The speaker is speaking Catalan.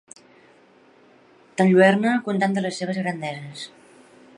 T'enlluerna contant-te les seves grandeses.